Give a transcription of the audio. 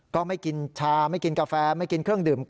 ก็ไม่กินชาไม่กินกาแฟไม่กินเครื่องดื่ม